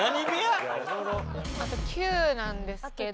あと９なんですけど。